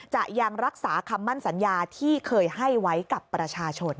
ยังรักษาคำมั่นสัญญาที่เคยให้ไว้กับประชาชน